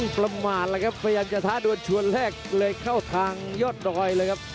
ประมาทแล้วครับพยายามจะท้าดวนชวนแรกเลยเข้าทางยอดดอยเลยครับ